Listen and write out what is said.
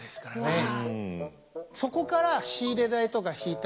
そこから仕入れ代とか引いたら。